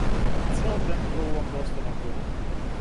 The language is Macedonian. Цел ден пробувам да останам буден.